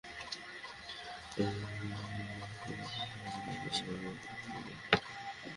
IDLC ইনভেস্টমেন্টসের তথ্য অনুযায়ী, গতকালের বাজারে লেনদেনের দিক থেকে শীর্ষে ছিল প্রকৌশল খাত।